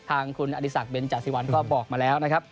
ออาริษักเบนจาซิวันก็บอกมาแล้วนะครับ